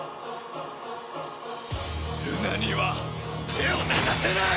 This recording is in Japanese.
ルナには手を出させない！